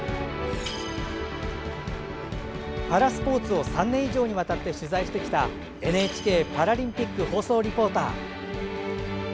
パラスポーツを３年以上にわたって取材してきたＮＨＫパラリンピック放送リポーター。